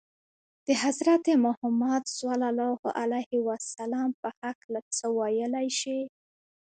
د حضرت محمد ﷺ په هکله څه ویلای شئ؟